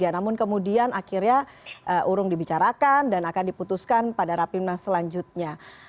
namun kemudian akhirnya urung dibicarakan dan akan diputuskan pada rapimnas selanjutnya